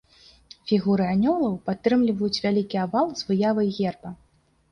Фігуры анёлаў падтрымліваюць вялікі авал з выявай герба.